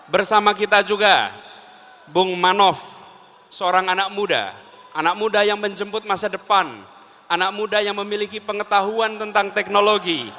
bersama kita juga bung manov seorang anak muda anak muda yang menjemput masa depan anak muda yang memiliki pengetahuan tentang teknologi